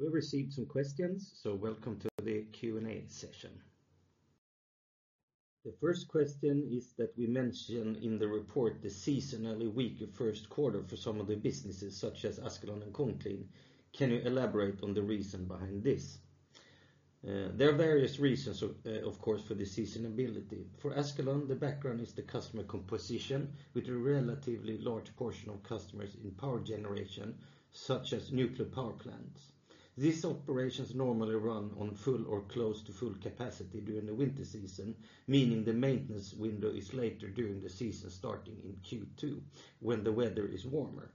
We've received some questions, welcome to the Q&A session. The first question is that we mention in the report the seasonality, first quarter for some of the businesses such as Askelan and Conclean. Can you elaborate on the reason behind this? There are various reasons, of course, for the seasonality. For Askelan, the background is the customer composition with a relatively large portion of customers in power generation, such as nuclear power plants. These operations normally run on full or close to full capacity during the winter season, meaning the maintenance window is later during the season, starting in Q2 when the weather is warmer.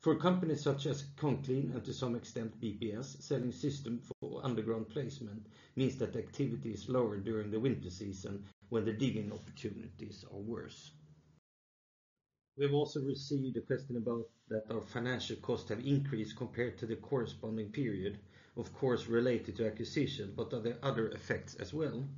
For companies such as Conclean, and to some extent BPS, selling system for underground placement means that activity is lower during the winter season when the digging opportunities are worse. We've also received a question about that our financial costs have increased compared to the corresponding period, of course, related to acquisition. Are there other effects as well?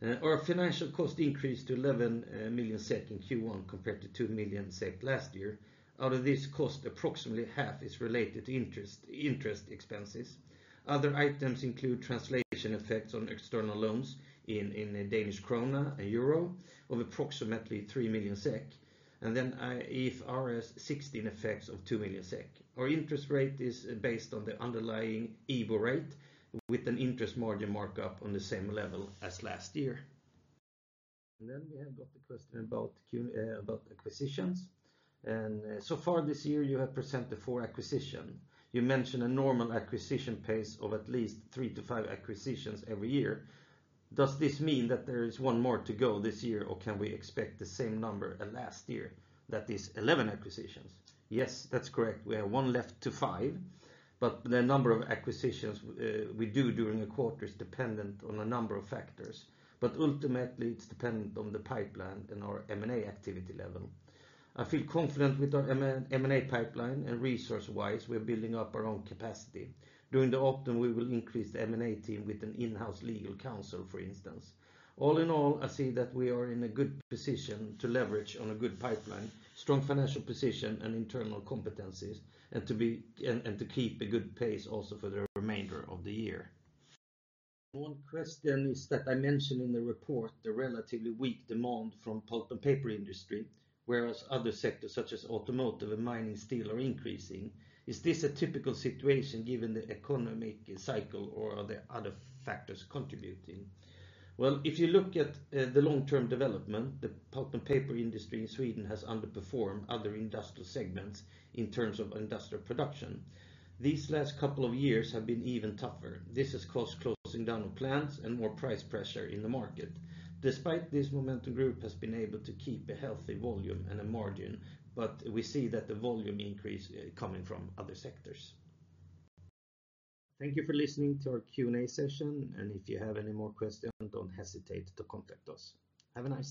Our financial cost increased to 11 million SEK in Q1 compared to 2 million SEK last year. Out of this cost, approximately half is related to interest expenses. Other items include translation effects on external loans in DKK and EUR of approximately 3 million SEK, IFRS 16 effects of 2 million SEK. Our interest rate is based on the underlying IBOR rate with an interest margin markup on the same level as last year. We have got the question about acquisitions. So far this year you have presented four acquisition. You mentioned a normal acquisition pace of at least three to five acquisitions every year. Does this mean that there is one more to go this year or can we expect the same number as last year, that is 11 acquisitions? Yes, that's correct. We have one left to five, the number of acquisitions we do during a quarter is dependent on a number of factors, ultimately, it's dependent on the pipeline and our M&A activity level. I feel confident with our M&A pipeline, and resource-wise, we are building up our own capacity. During the autumn, we will increase the M&A team with an in-house legal counsel, for instance. All in all, I see that we are in a good position to leverage on a good pipeline, strong financial position, and internal competencies, and to keep a good pace also for the remainder of the year. One question is that I mentioned in the report the relatively weak demand from pulp and paper industry, whereas other sectors such as automotive and mining steel are increasing. Is this a typical situation given the economic cycle or are there other factors contributing? Well, if you look at the long-term development, the pulp and paper industry in Sweden has underperformed other industrial segments in terms of industrial production. These last couple of years have been even tougher. This has caused closing down of plants and more price pressure in the market. Despite this, Momentum Group has been able to keep a healthy volume and a margin. We see that the volume increase coming from other sectors. Thank you for listening to our Q&A session. If you have any more questions, don't hesitate to contact us. Have a nice day